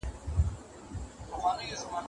د قانون تطبیق پر هر چا فرض دی.